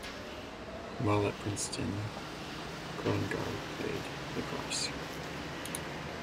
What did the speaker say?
While at Princeton, Krongard played lacrosse.